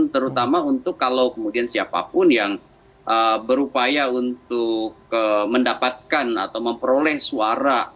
terutama untuk kalau kemudian siapapun yang berupaya untuk mendapatkan atau memperoleh suara